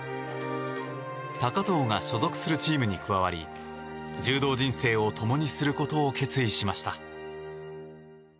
高藤が所属するチームに加わり人生を共にすることを決意しました。